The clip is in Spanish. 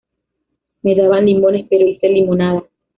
Me daban limones, pero hice limonada.